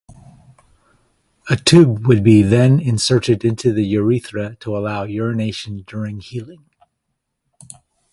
A tube would be then inserted into the urethra to allow urination during healing.